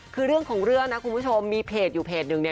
คือเรื่องของเรื่องนะคุณผู้ชมมีเพจอยู่เพจหนึ่งเนี่ย